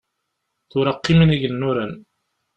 Tura qqimen igennuren.